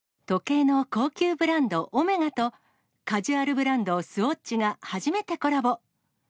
時計の高級ブランド、オメガと、カジュアルブランド、スウォッチが初めてコラボ。